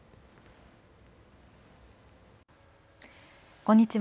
こんにちは。